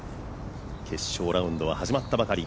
決勝ラウンドは始まったばかり。